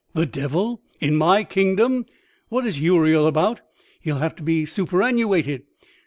"The Devil in my kingdom! What is Uriel about? he'll have to be superannuated."